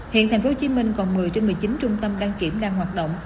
hiện tp hcm còn một mươi trên một mươi chín trung tâm đăng kiểm đang hoạt động